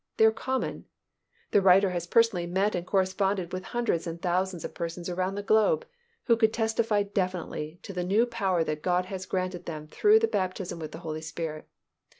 They are common. The writer has personally met and corresponded with hundreds and thousands of persons around the globe, who could testify definitely to the new power that God has granted them through the baptism with the Holy Spirit.